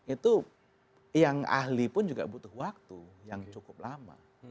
itu yang ahli pun juga butuh waktu yang cukup lama